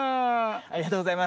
ありがとうございます！